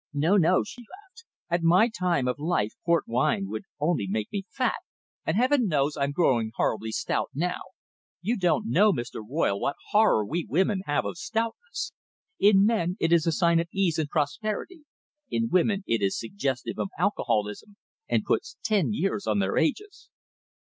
"No, no," she laughed, "at my time of life port wine would only make me fat and Heaven knows I'm growing horribly stout now. You don't know, Mr. Royle, what horror we women have of stoutness. In men it is a sign of ease and prosperity, in women it is suggestive of alcoholism and puts ten years on their ages."